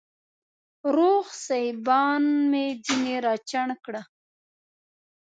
روغ سېبان مې ځيني راچڼ کړه